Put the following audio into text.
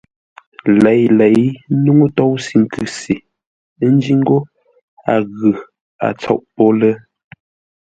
Léi-lěi nuŋú tóusʉ nkʉ se, ńjí ńgó a ghʉ, a tsôʼ pô lə́.